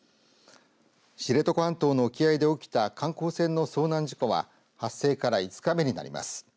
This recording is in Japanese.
知床半島の沖合で起きた観光船の遭難事故は発生から５日目になります。